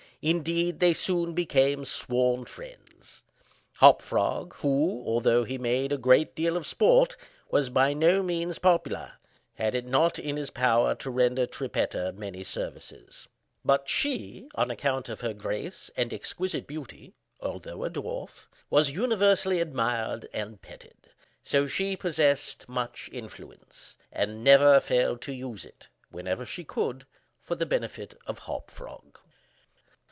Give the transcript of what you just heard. Indeed, they soon became sworn friends. Hop Frog, who, although he made a great deal of sport, was by no means popular, had it not in his power to render Trippetta many services; but she, on account of her grace and exquisite beauty (although a dwarf), was universally admired and petted; so she possessed much influence; and never failed to use it, whenever she could, for the benefit of Hop Frog.